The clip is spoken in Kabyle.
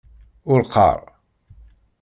Ur qqar.